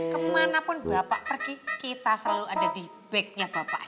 kemana pun bapak pergi kita selalu ada di bag nya bapak